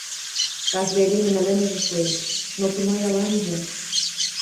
— Каждый эдемӹн ӹлӹмӹжӹ шоэш, но тумаял анжы: